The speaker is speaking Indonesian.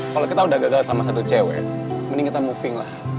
kalau kita udah gagal sama satu cewek mending kita moving lah